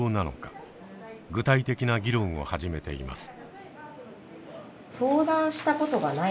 具体的な議論を始めています。